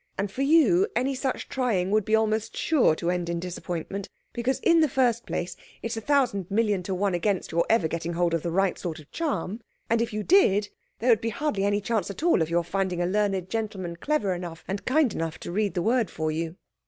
And for you any such trying would be almost sure to end in disappointment. Because in the first place it is a thousand million to one against your ever getting hold of the right sort of charm, and if you did, there would be hardly any chance at all of your finding a learned gentleman clever enough and kind enough to read the word for you.